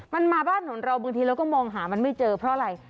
มันมาบ้านของเราบางทีเราก็มองหามันไม่เจอเพราะอะไร